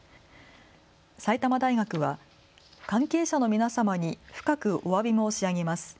埼玉大学は関係者の皆様に深くおわび申し上げます。